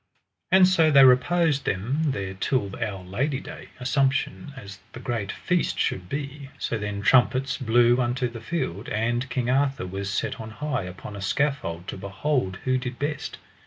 And so they reposed them there till our Lady Day, Assumption, as the great feast should be. So then trumpets blew unto the field, and King Arthur was set on high upon a scaffold to behold who did best.